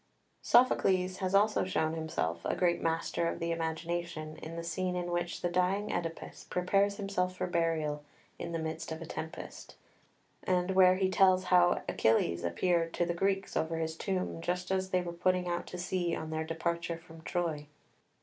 ] 7 Sophocles has also shown himself a great master of the imagination in the scene in which the dying Oedipus prepares himself for burial in the midst of a tempest, and where he tells how Achilles appeared to the Greeks over his tomb just as they were putting out to sea on their departure from Troy.